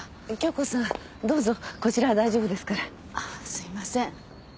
すいません。